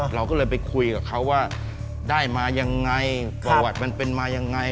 เราก็เลยไปคุยกับเขาว่าได้มายังไงประวัติมันเป็นมายังไง